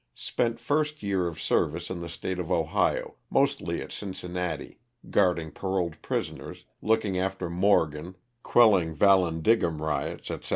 Spent first year of service in the State of Ohio, mostly at Cincinnati, guarding paroled prisoners, looking after Morgan, quelling Vallandigham riots, etc.